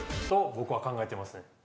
僕は考えてます。